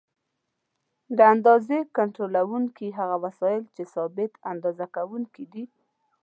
د اندازې کنټرولوونکي هغه وسایل دي چې ثابت اندازه کوونکي دي.